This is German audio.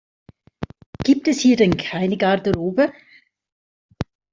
Gibt es hier denn keine Garderobe?